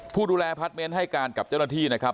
ผู้ดูแลพาร์ทเมนต์ให้การกับเจ้าหน้าที่นะครับ